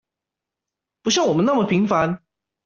不像我們那麼平凡